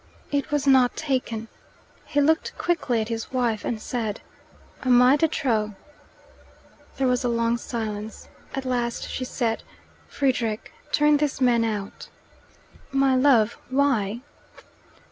It was not taken. He looked quickly at his wife, and said, "Am I de trop?" There was a long silence. At last she said, "Frederick, turn this man out." "My love, why?"